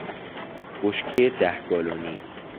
بشکهی ده گالنی